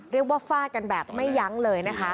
เรียกว่าฝ้ากันแบบไม่ยั้งเลย